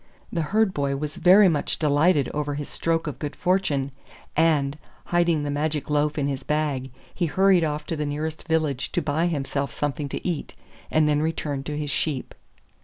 The Herd boy was very much delighted over his stroke of good fortune, and, hiding the magic loaf in his bag, he hurried off to the nearest village to buy himself something to eat, and then returned to his sheep.